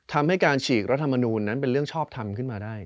ทำให้การฉีกรัฐมนูลนั้นเป็นเรื่องชอบทำขึ้นมาได้